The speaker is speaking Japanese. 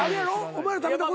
お前ら食べたこと。